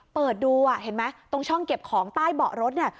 เปิดดูอ่ะเห็นไหมตรงช่องเก็บของใต้เบาะรถเนี่ย